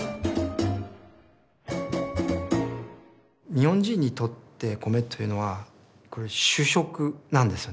日本人にとって米というのはこれ主食なんですよね。